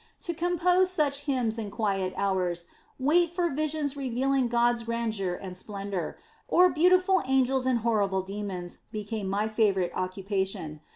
To compose such hymns in quiet hours, wait for visions revealing God's grandeur and splendor, or beautiful angels and horrible demons, became my favorite occupation.